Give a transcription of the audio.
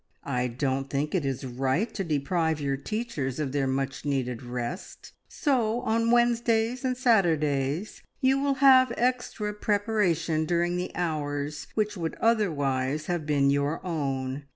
I don't think it is right to deprive your teachers of their much needed rest, so on Wednesdays and Saturdays you will have extra preparation during the hours which would otherwise have been your own.